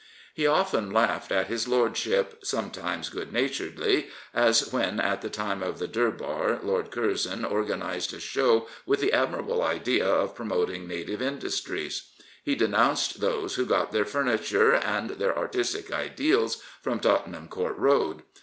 " He often laughed at his lordship, some times good naturedly, as when at the time of the Durbar Lord Curzon organised a show with the admirable idea of promoting native industries. He denounced those who got their furniture and their artistic ideals from " Tottenham Court Road."